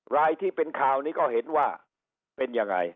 รายที่เป็นข่าวนี้ก็เห็นว่าเป็นยังไง